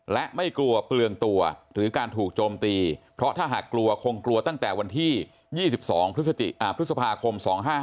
และไม่กลัวเปลืองตัวหรือการถูกโจมตีเพราะถ้าหากกลัวคงกลัวตั้งแต่วันที่๒๒พฤษภาคม๒๕๖